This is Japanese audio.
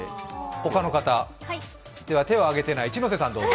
他の方？では手をあげていない一ノ瀬さん、どうぞ。